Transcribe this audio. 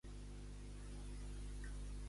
Treballaran junts el seu equip i els russos?